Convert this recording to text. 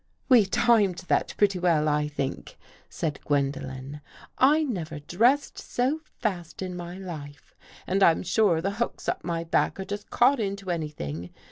" We timed that pretty well, I think,'* said Gwen dolen. " I never dressed so fast In my life and I'm sure the hooks up my back are just caught Into any thing.